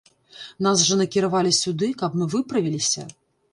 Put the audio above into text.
Нас жа накіравалі сюды, каб мы выправіліся.